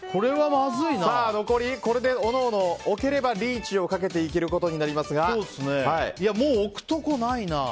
残り、これでおのおの置ければリーチをかけていけることになりますが。